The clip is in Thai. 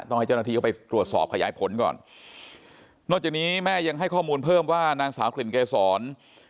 ให้เจ้าหน้าที่เข้าไปตรวจสอบขยายผลก่อนนอกจากนี้แม่ยังให้ข้อมูลเพิ่มว่านางสาวกลิ่นเกษร